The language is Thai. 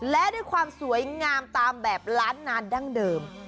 และด้วยความสวยงามตามแบบล้านนานดั้งเดิม